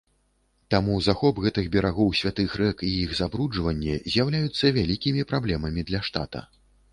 Таму захоп гэтых берагоў святых рэк і іх забруджванне з'яўляюцца вялікімі праблемамі для штата.